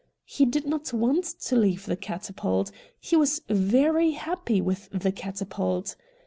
He did not want to leave the ' Catapult '; he was very happy with the ' Catapult.'